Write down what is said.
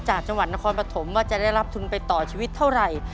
จังหวัดนครปฐมว่าจะได้รับทุนไปต่อชีวิตเท่าไหร่